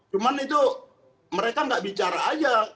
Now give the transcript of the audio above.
cuman itu mereka gak bicara aja